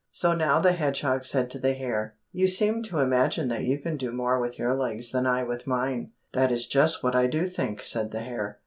So now the hedgehog said to the hare, "You seem to imagine that you can do more with your legs than I with mine." "That is just what I do think," said the hare.